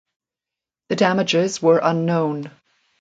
The damages were unknown.